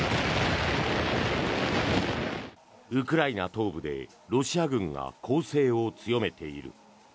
ウクライナ東部でロシア軍が攻勢を強めている。